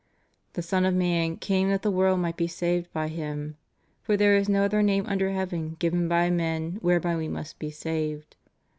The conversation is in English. The Son of man came that the world might be saved by Him} For there is no other rurnie under heaven given to men whereby we must be saved.